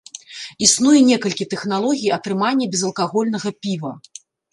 Існуе некалькі тэхналогій атрымання безалкагольнага піва.